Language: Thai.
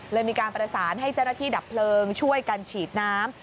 มีการประสานให้เจ้าหน้าที่ดับเพลิงช่วยกันฉีดน้ำ